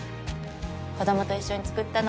子供と一緒に作ったの。